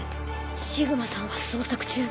シグマさんは捜索中。